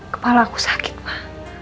kepala aku sakit pak